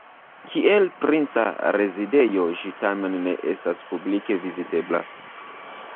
Kiel princa rezidejo ĝi tamen ne estas publike vizitebla.